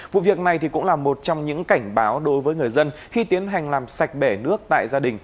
vụ việc này cũng là một trong những cảnh báo đối với người dân khi tiến hành làm sạch bể nước tại gia đình